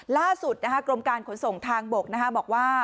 ล่าสุดนะคะกรมการขนส่งทางบกนะคะบอกว่า